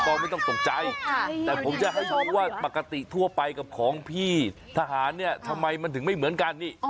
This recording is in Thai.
ไม่ต้องตกใจแต่ผมจะให้ดูว่าปกติทั่วไปกับของพี่ทหารเนี่ยทำไมมันถึงไม่เหมือนกันนี่